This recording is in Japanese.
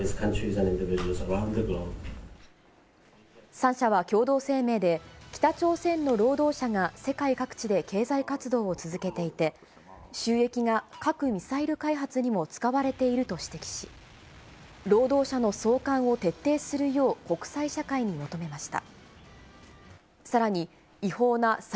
３者は共同声明で、北朝鮮の労働者が世界各地で経済活動を続けていて、収益が核・ミサイル開発にも使われていると指摘し、労働者の送還を徹底するよう国際社会に求めました。